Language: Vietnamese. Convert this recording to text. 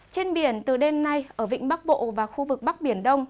trên biển từ đêm nay ở vịnh bắc bộ và khu vực bắc biển đông